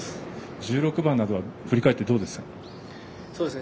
１６番などは振り返ってどうですか？